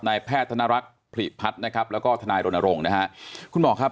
ในแพทย์ธนรักษณ์ผลิปัชนะครับแล้วก็ธนายรวนโนโล่งนะฮะ